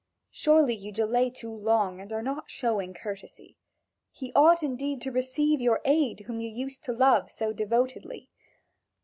Surely you delay too long and are not showing courtesy. He ought indeed to receive your aid whom you used to love so devotedly!